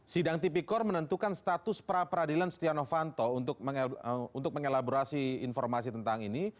sidang tipikor menentukan status pra peradilan setia novanto untuk mengelaborasi informasi tentang ini